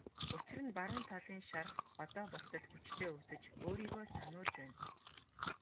Учир нь баруун талын шарх одоо болтол хүчтэй өвдөж өөрийгөө сануулж байна.